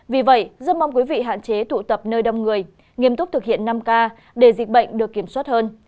vì vậy rất mong quý vị hạn chế tụ tập nơi đông người nghiêm túc thực hiện năm k để dịch bệnh được kiểm soát hơn